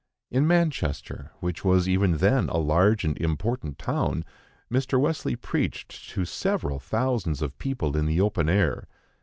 In Manchester, which was even then a large and important town, Mr. Wesley preached to several thousands of people in the open air.